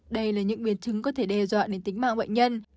đây là những biến chứng có thể đe dọa đến tính mạng bệnh nhân